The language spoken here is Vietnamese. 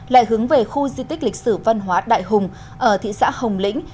lại hướng về khu di tích lịch sử văn hóa đại hùng ở thị xã hồng lĩnh